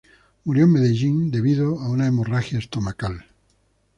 Murió en Medellín debido a una hemorragia estomacal.